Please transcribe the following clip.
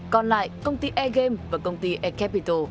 còn lại công ty air game và công ty air capital